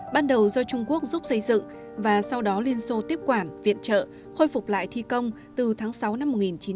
ban đầu do trung quốc giúp xây dựng và sau đó liên xô tiếp quản viện trợ khôi phục lại thi công từ tháng sáu năm một nghìn chín trăm bảy mươi năm